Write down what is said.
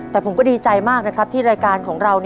แต่ผมก็ดีใจมากนะครับที่รายการของเรา